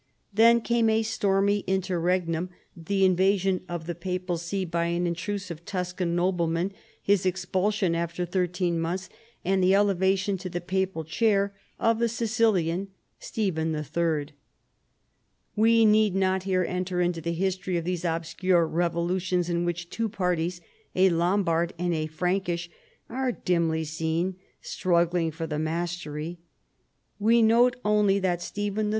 Then came a stormy interregnum, the invasion of the papal see by an intrusive Tuscan noble man, his expulsion after thirteen months, and the elevation to the papal chair of the Sicilian, Stephen III. We need not here enter into the history of these obscure revolutions in which two parties, a Lombard and a Frankish, are dimly seen struggling for the mastery. We note onl}'^ that Stephen III.'